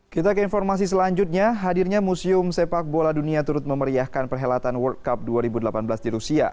kita ke informasi selanjutnya hadirnya museum sepak bola dunia turut memeriahkan perhelatan world cup dua ribu delapan belas di rusia